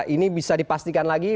ini bisa dipastikan lagi